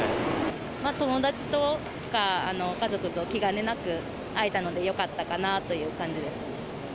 友達とか家族と気兼ねなく会えたのでよかったかなという感じです。